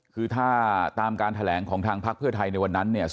คือถ้าตามการแถลงของทางพักเพื่อไทยในวันนั้นเนี่ย